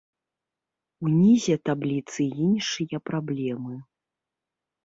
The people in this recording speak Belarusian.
Унізе табліцы іншыя праблемы.